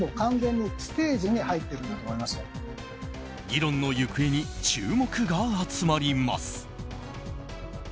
議論の行方に注目が集まります。